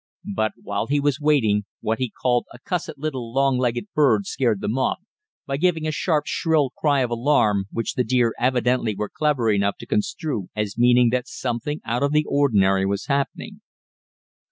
But, while he was waiting, what he called a "cussed little long legged bird" scared them off, by giving a sharp, shrill cry of alarm, which the deer evidently were clever enough to construe as meaning that something out of the ordinary was happening.